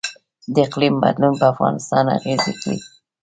د اقلیم بدلون په افغانستان اغیز کړی؟